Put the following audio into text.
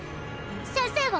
先生は？